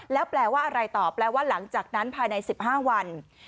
แล้วแปลว่าอะไรต่อแปลว่าหลังจากนั้นภายใน๑๕วัน